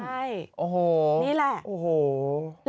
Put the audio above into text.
ใช่นี่แหละโอ้โฮ